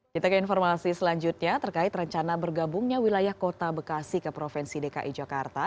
kita ke informasi selanjutnya terkait rencana bergabungnya wilayah kota bekasi ke provinsi dki jakarta